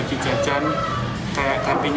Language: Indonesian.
keselesaiananya dengan keadaan imlek seperti ini